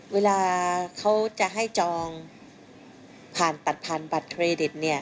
เวลาเขาจะให้จองผ่านตัดผ่านบัตรเครดิต